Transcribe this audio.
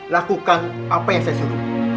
lakukan apa yang saya suruh